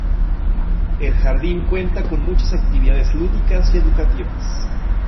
El jardín cuenta con muchas actividades lúdicas y educativas.